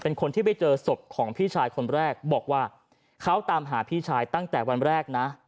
เป็นคนที่ไปเจอศพของพี่ชายคนแรกบอกว่าเขาตามหาพี่ชายตั้งแต่วันแรกนะ